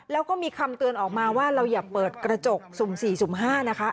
แล้วก็มีคำเตือนออกมาว่าเราอย่าเปิดกระจกสุ่ม๔สุ่ม๕นะคะ